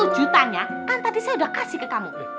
satu jutanya kan tadi saya sudah kasih ke kamu